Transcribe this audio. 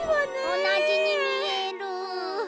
おなじにみえる。